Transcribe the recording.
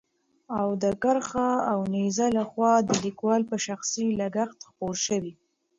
او د کرښه اوو نيزه له خوا د ليکوال په شخصي لګښت خپور شوی.